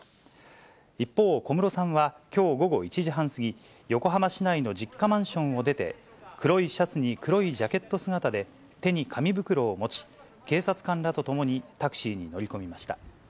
一方、小室さんはきょう午後１時半過ぎ、横浜市内の実家マンションを出て、黒いシャツに黒いジャケット姿で、手に紙袋を持ち、警察官らと共にタクシーに乗り込みました。